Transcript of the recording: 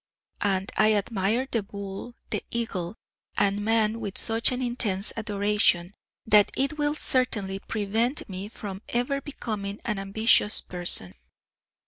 And I admire the bull, the eagle, and man with such an intense adoration, that it will certainly prevent me from ever becoming an ambitious person.